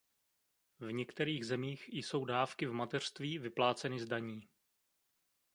V některých zemích jsou dávky v mateřství vypláceny z daní.